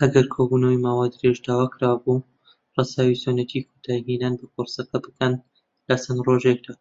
ئەگەر کۆبوونەوەی ماوە درێژ داواکرابوو، ڕەچاوی چۆنێتی کۆتایهێنان بە کۆرسەکە بکەن لەچەند ڕۆژێکدا.